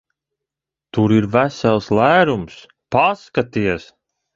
Tur ir vesels lērums. Paskaties!